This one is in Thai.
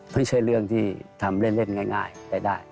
ไม่ใช่เรื่องที่ทำเล่นง่ายไปได้